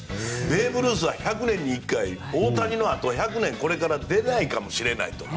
ベーブ・ルースは１００年に１回大谷のあと１００年これから出ないかもしれないと。